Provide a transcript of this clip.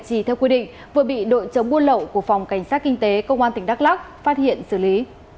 trì theo quy định vừa bị đội chống buôn lậu của phòng cảnh sát kinh tế công an tỉnh đắk lắk phát hiện xử lý